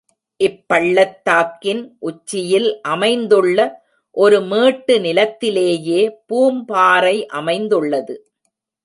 இப்பள்ளத் தாக்கின் உச்சியில் அமைந்துள்ள ஒரு மேட்டு நிலத்திலேயே பூம்பாறை அமைந்துள்ளது.